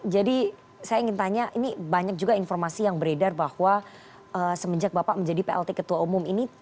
jadi saya ingin tanya ini banyak juga informasi yang beredar bahwa semenjak bapak menjadi plt ketua umum ini